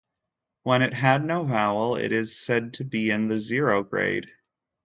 When it had no vowel, it is said to be in the "zero grade".